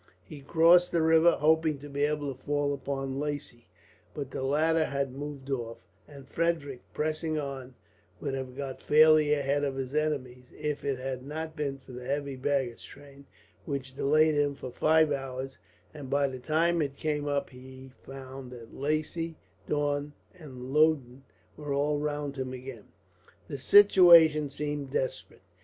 He crossed the river, hoping to be able to fall upon Lacy; but the latter had moved off, and Frederick, pressing on, would have got fairly ahead of his enemies if it had not been for the heavy baggage train, which delayed him for five hours; and by the time it came up he found that Lacy, Daun, and Loudon were all round him again. The situation seemed desperate.